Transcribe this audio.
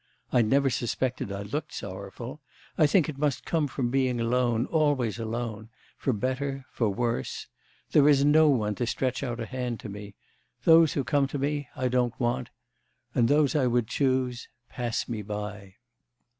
I never suspected I looked sorrowful. I think it must come from being alone, always alone, for better, for worse! There is no one to stretch out a hand to me. Those who come to me, I don't want; and those I would choose pass me by.